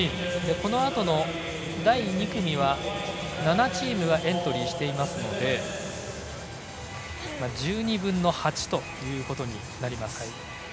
このあとの第２組は７チームがエントリーしていますので１２分の８ということになります。